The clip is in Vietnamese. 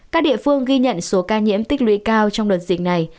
các địa phương ghi nhận số ca nhiễm tích lũy cao trong đợt dịch này